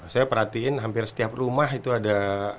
saya perhatiin hampir setiap rumah itu ada